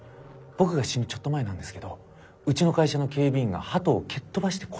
僕が死ぬちょっと前なんですけどうちの会社の警備員がハトを蹴っ飛ばして殺してたんです。